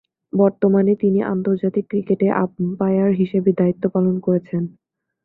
বর্তমানে তিনি আন্তর্জাতিক ক্রিকেটে আম্পায়ার হিসেবে দায়িত্ব পালন করছেন।